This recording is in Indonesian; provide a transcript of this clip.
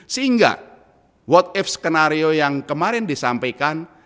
sehingga what ip skenario yang kemarin disampaikan